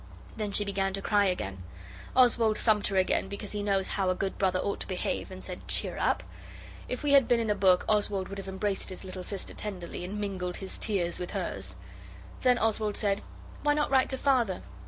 Then she began to cry again. Oswald thumped her again, because he knows how a good brother ought to behave, and said, 'Cheer up.' If we had been in a book Oswald would have embraced his little sister tenderly, and mingled his tears with hers. Then Oswald said, 'Why not write to Father?